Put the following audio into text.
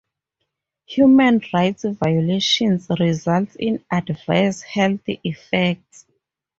Human rights violations result in adverse health effects.